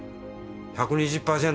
１２０％。